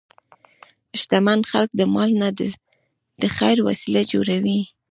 شتمن خلک د مال نه د خیر وسیله جوړوي.